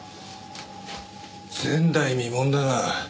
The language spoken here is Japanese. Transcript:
前代未聞だな。